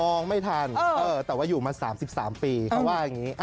ไม่ทันแต่ว่าอยู่มา๓๓ปีเขาว่าอย่างนี้